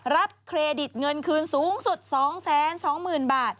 เครดิตเงินคืนสูงสุด๒๒๐๐๐บาท